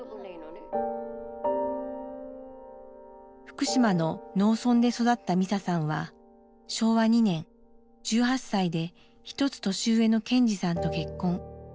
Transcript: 福島の農村で育ったミサさんは昭和２年１８歳で一つ歳上の賢二さんと結婚。